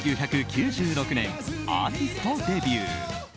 １９９６年アーティストデビュー。